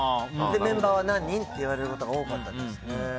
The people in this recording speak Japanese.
メンバーは何人？って言われることが多かったですね。